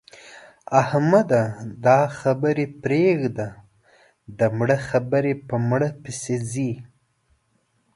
احمده! دا خبرې پرېږده؛ د مړه خبرې په مړه پسې ځي.